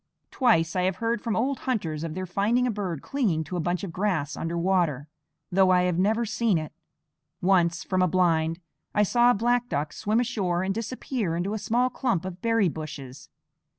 Twice I have heard from old hunters of their finding a bird clinging to a bunch of grass under water, though I have never seen it. Once, from a blind, I saw a black duck swim ashore and disappear into a small clump of berry bushes.